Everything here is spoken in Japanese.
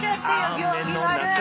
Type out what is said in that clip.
行儀悪い！